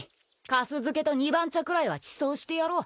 かす漬けと二番茶くらいはちそうしてやろう。